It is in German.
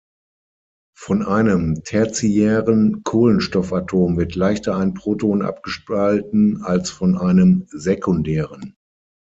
Von einem tertiären Kohlenstoffatom wird leichter ein Proton abgespalten als von einem sekundären.